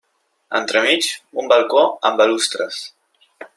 Entremig, un balcó amb balustres.